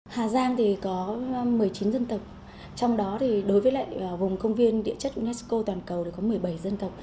hà giang thì có một mươi chín dân tộc trong đó thì đối với lại vùng công viên địa chất unesco toàn cầu thì có một mươi bảy dân tộc